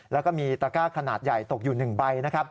แล้วก็มีตระก้าขนาดใหญ่ตกอยู่๑ใบนะครับ